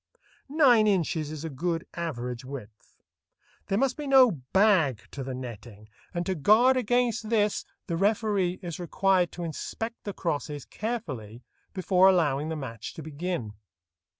Nine inches is a good average width. There must be no "bag" to the netting, and to guard against this the referee is required to inspect the crosses carefully before allowing the match to begin.